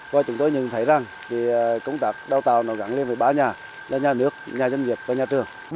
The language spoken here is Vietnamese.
và chúng tôi nhận thấy rằng công tác đào tạo nó gắn liền với ba nhà là nhà nước nhà doanh nghiệp và nhà trường